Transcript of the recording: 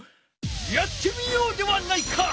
やってみようではないか！